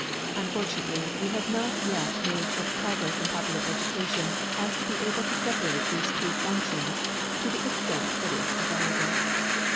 Unfortunately, we have not yet made such progress in popular education as to be able to separate these two functions to the extent that is desirable.